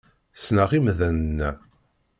Ssneɣ imdanen-a.